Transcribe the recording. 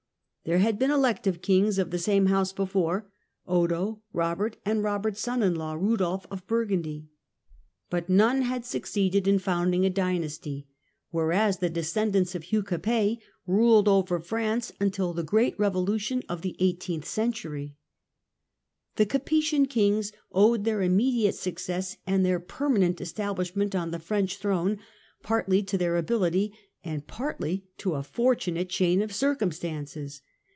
There had been elective kings of the same house before: — Odo, Eobert, and Eobert's son in law Eudolf of Bur gundy — but none of them had succeeded in founding a L. 46 THE CENTRAL PERIOD OF THE MIDDLE AGE dynasty, whereas the descendants of Hugh Capet ruled over France until the great Revolution of the eighteenth century. The Capetian kings owed their immediate suc cess and their permanent establishment on the French throne partly to their ability and partly to a fortunate chain of circumstances.